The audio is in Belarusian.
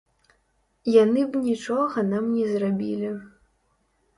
Яны б нічога нам не зрабілі.